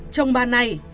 chồng bà này